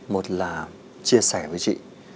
một là chia sẻ với chị